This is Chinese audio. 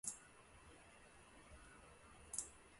这就是你龙哥呀